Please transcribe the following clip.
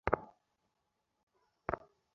ব্যাশ নিউজ আমাকে আটটা নোটিফিকেশন পাঠিয়েছে এই শো নিয়ে!